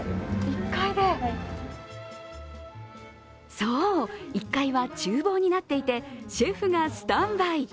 そう、１階はちゅう房になっていてシェフがスタンバイ。